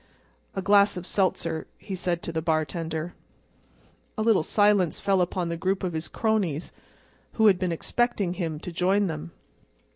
"A glass of seltzer," he said to the bartender. A little silence fell upon the group of his cronies, who had been expecting him to join them.